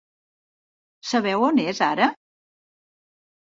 Sabeu on és ara?